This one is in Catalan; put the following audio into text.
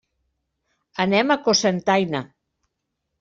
Anem a Cocentaina.